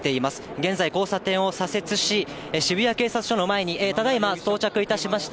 現在、交差点を左折し、渋谷警察署の前に、ただいま到着いたしました。